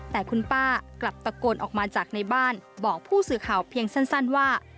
แต่คุณป้ากลับตะโกนออกมาจากในบ้านบอกผู้สื่อข่าวเพียงสั้นว่า